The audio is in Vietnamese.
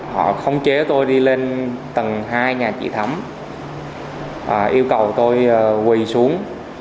họ khống chế tôi đi lên tầng hai nhà trị thắm yêu cầu tôi quỳ xuống